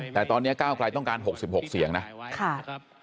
แต่ตอนนี้ก้าวกลายต้องการ๖๖เสียงนะ